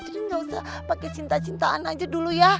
jadi gausah pake cinta cintaan aja dulu ya